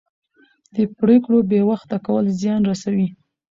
د پرېکړو بې وخته کول زیان رسوي